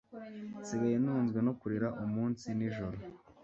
Nsigaye ntunzwe no kurira umunsi n’ijoro